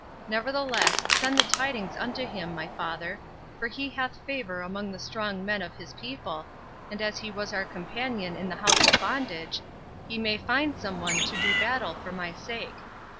Nevertheless, send the tidings unto him, my father; for he hath favour among the strong men of his people, and as he was our companion in the house of bondage, he may find some one to do battle for my sake.